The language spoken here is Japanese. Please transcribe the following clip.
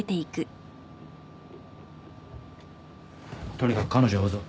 とにかく彼女を追うぞ。